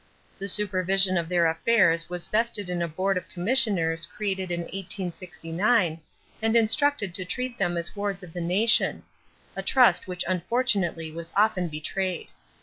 The supervision of their affairs was vested in a board of commissioners created in 1869 and instructed to treat them as wards of the nation a trust which unfortunately was often betrayed.